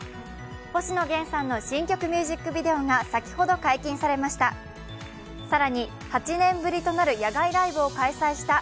星野源さんの新曲ミュージックビデオが先ほど解禁されました。